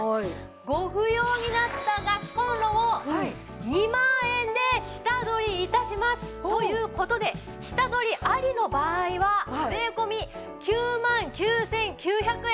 ご不要になったガスコンロを２万円で下取り致します！という事で下取りありの場合は税込９万９９００円です。